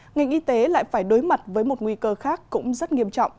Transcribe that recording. ngành y tế lại phải đối mặt với một nguy cơ khác cũng rất nghiêm trọng